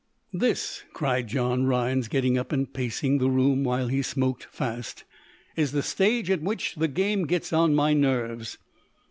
"This," cried John Rhinds, getting up and pacing the room, while he smoked fast, "is the stage at which the game gets on my nerves!"